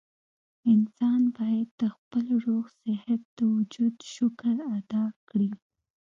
انسان بايد د خپل روغ صحت د وجود شکر ادا کړي